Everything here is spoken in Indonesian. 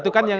itu kan yang